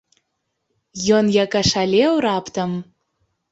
Ён як ашалеў раптам.